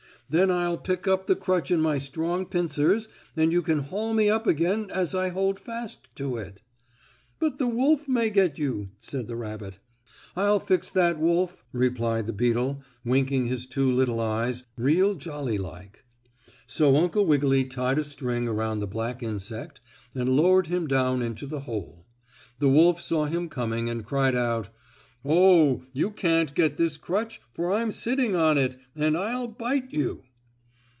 Then I'll pick up the crutch in my strong pincers, and you can haul me up again as I hold fast to it." "But the wolf may get you," said the rabbit. "I'll fix that wolf," replied the beetle, winking his two little eyes, real jolly like. So Uncle Wiggily tied a string around the black insect, and lowered him down into the hole. The wolf saw him coming and cried out: "Oh! You can't get this crutch, for I'm sitting on it, and I'll bite you."